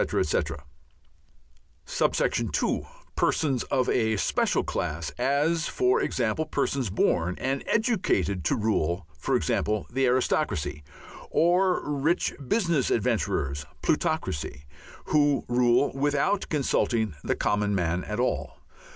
etc.; (2) persons of a special class, as, for example, persons born and educated to rule (e.g. Aristocracy), or rich business adventurers (Plutocracy) who rule without consulting the common man at all.